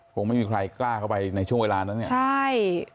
คงไม่มีใครกล้าเข้าไปในช่วงเวลานั้นเนี่ยใช่